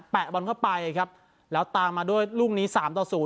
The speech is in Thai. บอลเข้าไปครับแล้วตามมาด้วยลูกนี้สามต่อศูน